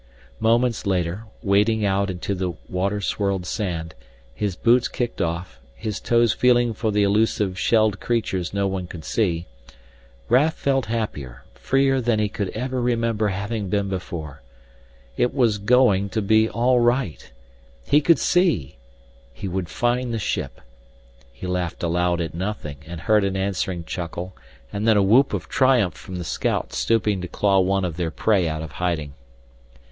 Moments later, wading out into the water swirled sand, his boots kicked off, his toes feeling for the elusive shelled creatures no one could see, Raf felt happier, freer than he could ever remember having been before. It was going to be all right. He could see! He would find the ship! He laughed aloud at nothing and heard an answering chuckle and then a whoop of triumph from the scout stooping to claw one of their prey out of hiding.